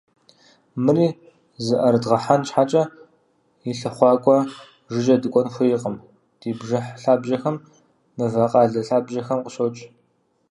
Мыри зыӏэрыдгъэхьэн щхьэкӏэ, и лъыхъуакӏуэ жыжьэ дыкӏуэн хуейкъым: ди бжыхь лъабжьэхэм, мывэкъалэ лъабжьэхэм къыщокӏ.